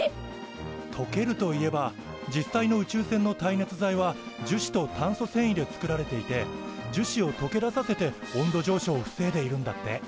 とけるといえば実際の宇宙船の耐熱材は樹脂と炭素繊維で作られていて樹脂をとけ出させて温度上昇を防いでいるんだって。